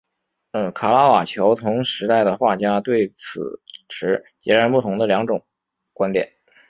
卡拉瓦乔同时代的画家对此持截然不同的两种观点。